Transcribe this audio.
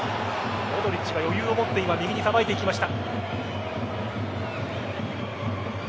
モドリッチが余裕を持って右にさばいていきました。